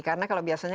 karena kalau biasanya